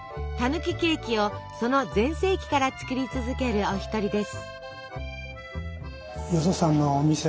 たぬきケーキをその全盛期から作り続けるお一人です。